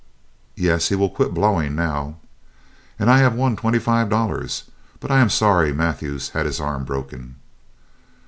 "Yes, he will quit blowing now." "And I have won twenty five dollars; but I am sorry Mathews had his arm broken."